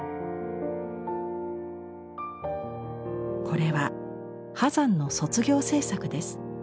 これは波山の卒業制作です。